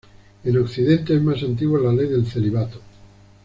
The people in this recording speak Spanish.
En Occidente es más antigua la ley del celibato.